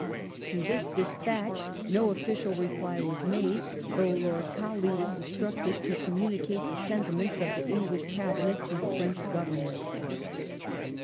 To this despatch no official reply was made, though Lord Cowley was instructed to communicate the sentiments of the English Cabinet to the French Government.